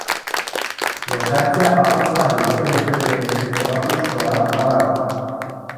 Locația a fost stabilită de către inspectoratul școlar Arad.